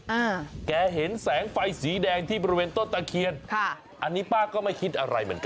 อ่าแกเห็นแสงไฟสีแดงที่บริเวณต้นตะเคียนค่ะอันนี้ป้าก็ไม่คิดอะไรเหมือนกัน